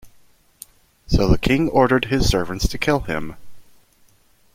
So the king ordered his servants to kill him.